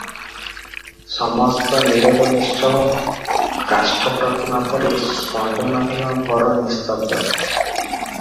ସମସ୍ତ ନୀରବ ନିଶ୍ଚଳ, କାଷ୍ଠ ପ୍ରତିମା ପରି ସ୍ପନ୍ଦନହୀନ, ଘର ନିସ୍ତବ୍ଧ ।